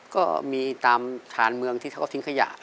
ก็มีตามฐานเมืองที่เขาก็ทิ้งขยะ